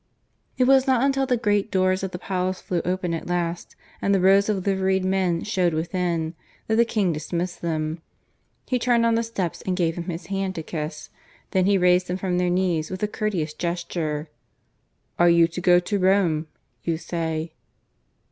It was not until the great doors of the palace flew open at last, and the rows of liveried men showed within, that the King dismissed them. He turned on the steps and gave them his hand to kiss. Then he raised them from their knees with a courteous gesture. "And you go to Rome, you say?"